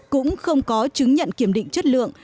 cũng không có chứng nhận kiểm định chất lượng